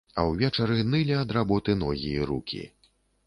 А ўвечары нылі ад работы ногі і рукі.